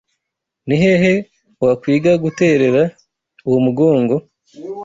Ni hehe wakwiga guterera uwo mugongo?